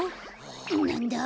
なんだ？